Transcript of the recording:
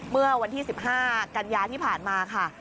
เมื่อวันที่๑๕กันยาที่ผ่านมาค่ะ